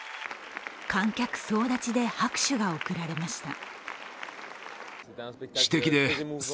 観客総立ちで拍手が送られました。